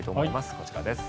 こちらです。